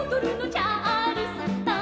「チャールストン」